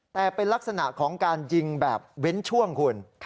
แต่เป็นลักษณะของการยิงแบบเว้นช่วงคุณ